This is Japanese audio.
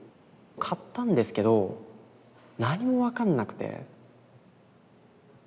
買ったんですけど何も分かんなくて。